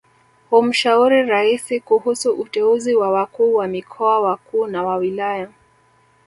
Humshauri Raisi kuhusu uteuzi wa wakuu wa mikoa wakuu na wa wilaya